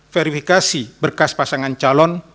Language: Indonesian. verifikasi berkas pasangan calon